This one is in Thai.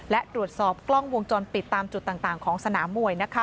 และตรวจสอบกล้องวงจรปิดตามจุดต่างของสนามมวย